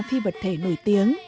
phi vật thể nổi tiếng